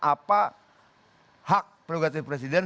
apa hak prerogatif presiden